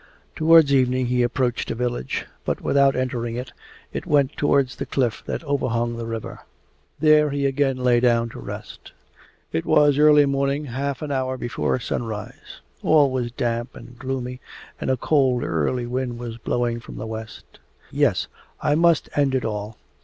Towards evening he approached a village, but without entering it went towards the cliff that overhung the river. There he again lay down to rest. It was early morning, half an hour before sunrise. All was damp and gloomy and a cold early wind was blowing from the west. 'Yes, I must end it all.